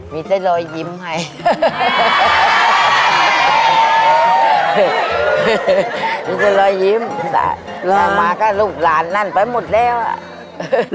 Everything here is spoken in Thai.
มีสัยโรยยิ้มให้รามาก็ลูกลานนั่นไปหมดแล้วเนี่ย